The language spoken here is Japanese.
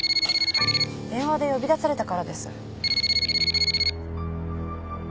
電話で呼び出されたからです。